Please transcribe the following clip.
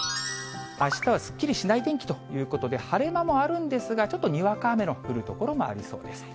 あしたはすっきりしない天気ということで、晴れ間もあるんですが、ちょっとにわか雨の降る所もありそうです。